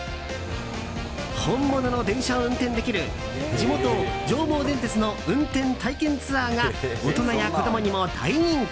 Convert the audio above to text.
本物の電車を運転できる地元・上毛電鉄の運転体験ツアーが大人や子供にも大人気。